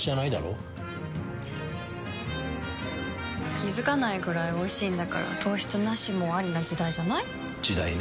気付かないくらいおいしいんだから糖質ナシもアリな時代じゃない？時代ね。